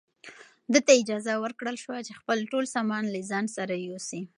ده ته اجازه ورکړل شوه چې خپل ټول سامان له ځان سره یوسي.